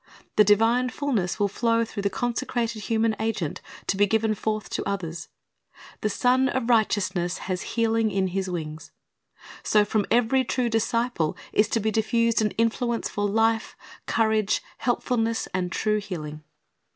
The divine fulness will flow through the consecrated human agent, to be given forth to others. The Sun of Righteousness has "healing in His wings."' So from every true disciple is to be diffused an influence for life, courage, helpfulness, and true healing.